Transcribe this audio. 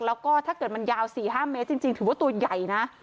แล้วก็ถ้าเกิดมันยาว๔๕เมตรจริงถือว่าตัวใหญ่นะ